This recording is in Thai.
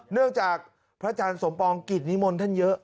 เนื่องจากพระอาจารย์สมปองกิจนิมนต์ท่านเยอะ